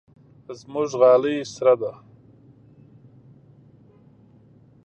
زموږ غالۍ سره ده.